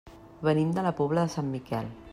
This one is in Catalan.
Venim de la Pobla de Sant Miquel.